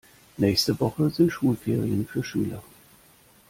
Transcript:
Nächste Woche sind Schulferien für Schüler.